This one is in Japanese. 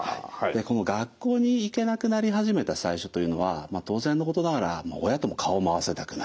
この学校に行けなくなり始めた最初というのは当然のことながら親とも顔も合わせたくない。